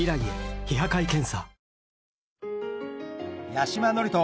八嶋智人